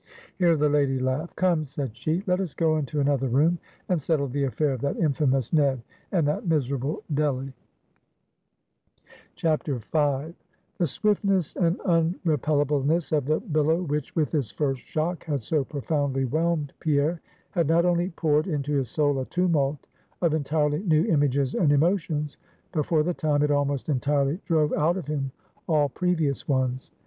Here the lady laughed. "Come," said she, "let us go into another room, and settle the affair of that infamous Ned and that miserable Delly." V. The swiftness and unrepellableness of the billow which, with its first shock, had so profoundly whelmed Pierre, had not only poured into his soul a tumult of entirely new images and emotions, but, for the time, it almost entirely drove out of him all previous ones.